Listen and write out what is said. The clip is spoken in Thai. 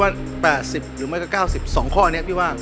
ทั้ง๘๐หรือ๙๐ปี